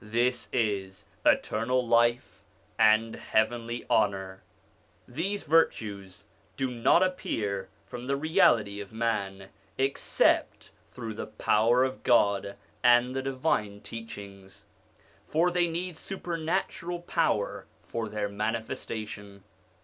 This is eternal life and heavenly honour ! These virtues do not appear from the reality of man except through the power of God and the divine teach ings, for they need supernatural power for their mani festation.